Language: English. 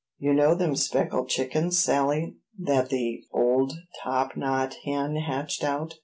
You know them speckled chickens, Sally, that the old top knot hen hatched out."